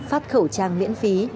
phát khẩu trang miễn phí